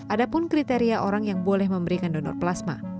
ada pun kriteria orang yang boleh memberikan donor plasma